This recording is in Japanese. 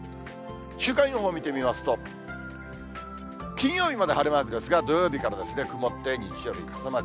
週間予報見てみますと、金曜日まで晴れマークですが、土曜日からですね、曇って日曜日傘マーク。